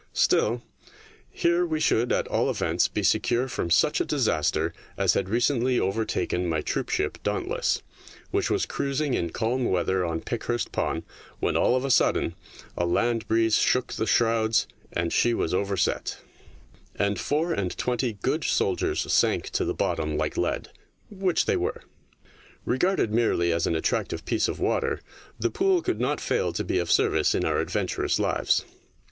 Still, here we should at all events be secure from such a disaster as had recently overtaken my troopship Dauntless, which was cruising in calm' weather on Pickhurst Pond when all of a sudden " a land breeze shook the shrouds and she was overset," and four and twenty good soldiers sank to the bottom like lead, which they were. Regarded merely as an attractive piece of water, the pool could not fail to be of service in our adventurous lives.